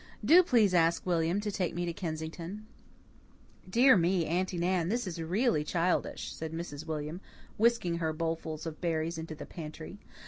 Do please ask William to take me to Kensington." "Dear me, Aunty Nan, this is really childish," said Mrs. William, whisking her bowlful of berries into the pantry.